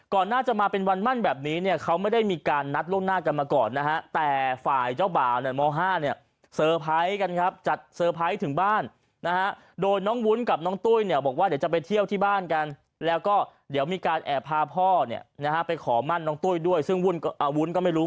น่าจะมาเป็นวันมั่นแบบนี้เนี่ยเขาไม่ได้มีการนัดล่วงหน้ากันมาก่อนนะฮะแต่ฝ่ายเจ้าบ่าวเนี่ยม๕เนี่ยเซอร์ไพรส์กันครับจัดเตอร์ไพรส์ถึงบ้านนะฮะโดยน้องวุ้นกับน้องตุ้ยเนี่ยบอกว่าเดี๋ยวจะไปเที่ยวที่บ้านกันแล้วก็เดี๋ยวมีการแอบพาพ่อเนี่ยนะฮะไปขอมั่นน้องตุ้ยด้วยซึ่งวุ่นอาวุ้นก็ไม่รู้